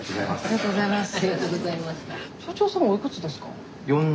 ありがとうございます。